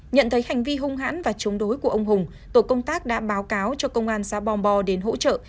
nhận thấy hành vi hung hãn và chống đối của ông hùng tổ công tác đã báo cáo cho công an xã bòm bo đến hỗ trợ